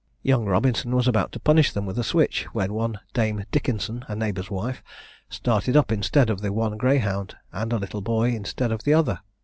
Young Robinson was about to punish them with a switch, when one Dame Dickenson, a neighbour's wife, started up instead of the one greyhound; and a little boy instead of the other.